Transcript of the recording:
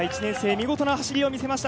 見事な走りを見せました。